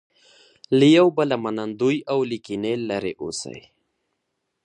له یو بله منندوی او له کینې لرې اوسي.